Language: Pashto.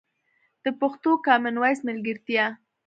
د پښتو کامن وایس ملګرتیا